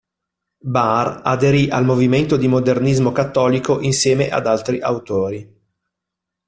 Baar aderì al movimento di modernismo cattolico insieme ad altri autori.